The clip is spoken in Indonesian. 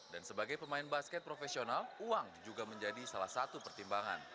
dan sebagai pemain basket profesional uang juga menjadi salah satu pertimbangan